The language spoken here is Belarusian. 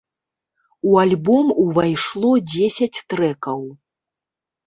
У альбом увайшло дзесяць трэкаў.